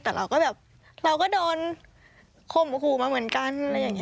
แต่เราก็แบบเราก็โดนคมครูมาเหมือนกัน